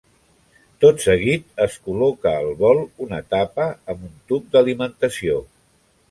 Tot seguit, es col·loca al bol una tapa amb un "tub d'alimentació".